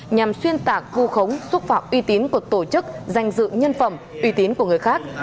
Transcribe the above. nhằm xuyên tạc vu khống xúc phạm uy tín của tổ chức danh dự nhân phẩm uy tín của người khác